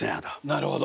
なるほど。